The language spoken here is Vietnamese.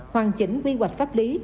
hoàn chỉnh quy hoạch pháp lý